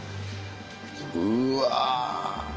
うわ！